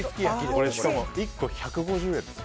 これ、しかも１個１５０円です。